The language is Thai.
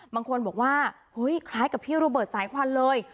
บางคนบอกว่าเฮ้ยคล้ายกับพี่โรเบิร์ตสายควันเลย